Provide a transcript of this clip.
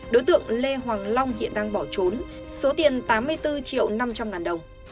đối tượng lê hoàng long hiện đang bỏ trốn số tiền tám mươi bốn triệu năm trăm linh ngàn đồng